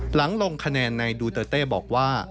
หลังลงคะแนนในดูเตอร์เต้บอกว่า